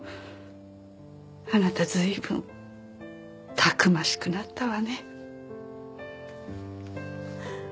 あなたずいぶんたくましくなったわね。